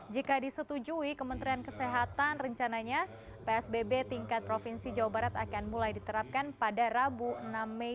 jika disetujui kementerian kesehatan rencananya psbb tingkat provinsi jawa barat akan mulai diterapkan pada rabu enam mei